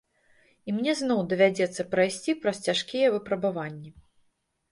І мне зноў давядзецца прайсці праз цяжкія выпрабаванні.